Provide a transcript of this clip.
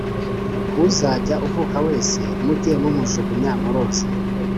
uzajya avuka wese mujye mumujugunya mu ruzi